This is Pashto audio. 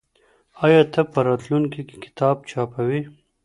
آیا ته په راتلونکي کي کتاب چاپوې؟